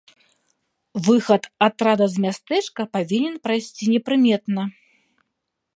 Выхад атрада з мястэчка павінен прайсці непрыметна.